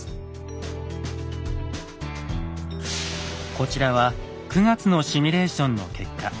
こちらは９月のシミュレーションの結果。